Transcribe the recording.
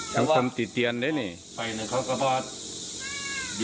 ทั้งคนติเตียนด้วยเนี่ย